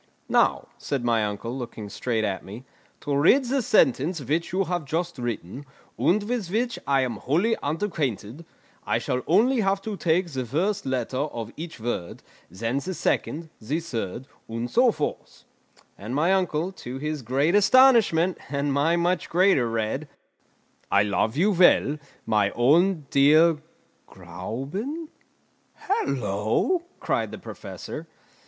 "Now," said my uncle, looking straight at me, "to read the sentence which you have just written, and with which I am wholly unacquainted, I shall only have to take the first letter of each word, then the second, the third, and so forth." And my uncle, to his great astonishment, and my much greater, read: "I love you well, my own dear Gräuben!" "Hallo!" cried the Professor.